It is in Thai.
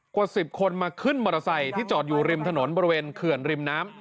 กว่า๑๐คนมาขึ้นมอเตอร์ไซค์ที่จอดอยู่ริมถนนบริเวณเขื่อนริมน้ำ